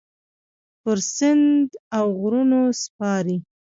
پر سیند اوغرونو سپارې